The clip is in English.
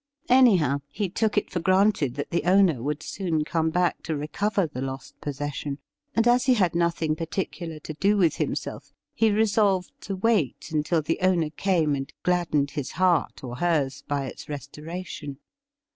Anyhow, he took it for granted that the owner would soon come back to recover the lost possession, and as he 6 THE RIDDLE RING had nothing particular to do with himself, he resolved to wait until the owner came and gladdened his heart, or hers, by its restoration.